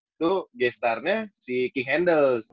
itu guest star nya si king handels